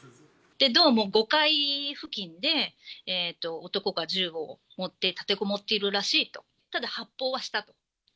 どうも、５階付近で男が銃を持って立てこもっているらしいと。